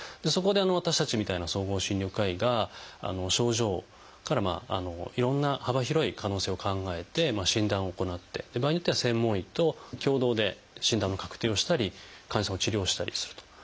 そこで私たちみたいな総合診療科医が症状からいろんな幅広い可能性を考えて診断を行って場合によっては専門医と共同で診断の確定をしたり患者さんを治療したりすると。